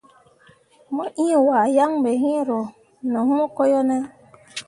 Mo ĩĩ wahe yaŋ be iŋ ro ne hũũ ko yo ne ?